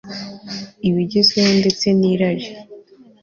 ibigezweho ndetse ni rari